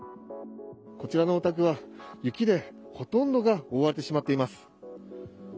こちらのお宅は雪でほとんどが覆われてしまっています。